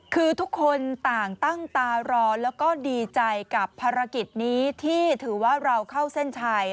คือทุกคนต่างตั้งตารอแล้วก็ดีใจกับภารกิจนี้ที่ถือว่าเราเข้าเส้นชัย